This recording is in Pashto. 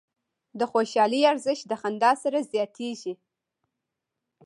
د خوشحالۍ ارزښت د خندا سره زیاتېږي.